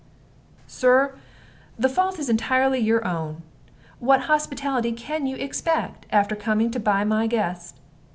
"Sir, the fault is entirely your own. What hospitality can you expect after coming to buy my guest?